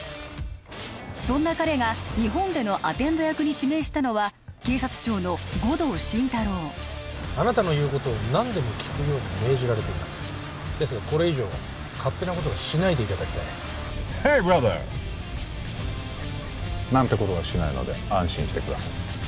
そんな彼が日本でのアテンド役に指名したのは警察庁の護道心太朗あなたの言うことを何でも聞くように命じられていますですがこれ以上勝手なことはしないでいただきたいヘイブラザー！なんてことはしないので安心してください